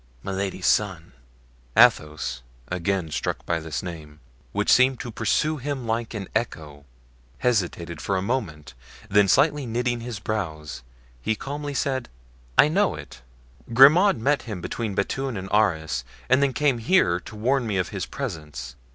"Milady's son." Athos, again struck by this name, which seemed to pursue him like an echo, hesitated for a moment, then slightly knitting his brows, he calmly said: "I know it, Grimaud met him between Bethune and Arras and then came here to warn me of his presence."